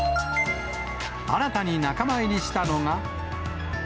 新たに仲間入りしたのが。